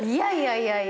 いやいや。